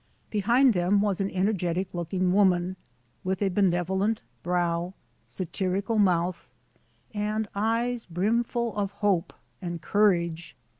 Behind them was an energetic look ing woman, with a benevolent brow, satirical mouth, and eyes brimful of hope and courage.